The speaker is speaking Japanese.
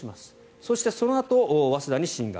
そして、そのあと早稲田に進学。